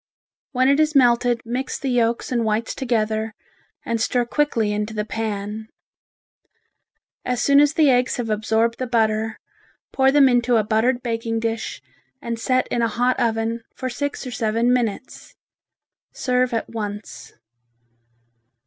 When it is melted mix the yolks and whites together and stir quickly into the pan. As soon as the eggs have absorbed the butter, pour them into a buttered baking dish and set in a hot oven for six or seven minutes. Serve at once.